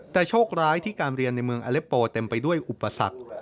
แต่โชคร้ายที่การเรียนในเมืองอเล็ปโปเต็มไปด้วยอุปสรรค